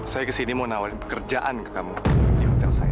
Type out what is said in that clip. saya kesini mau nawarin pekerjaan ke kamu di hotel saya